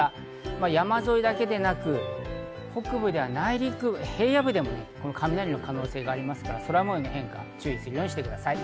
山沿いだけでなく、北部では平野部でも雷の可能性があるので空模様の変化に注意してください。